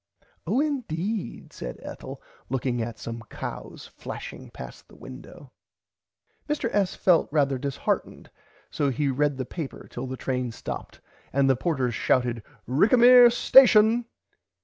Oh indeed said Ethel looking at some cows flashing past the window. Mr. S. felt rarther disheartened so he read the paper till the train stopped and the porters shouted Rickamere station.